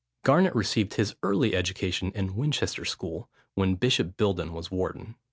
Garnet received his early education in Winchester school, when Bishop Bilson was warden.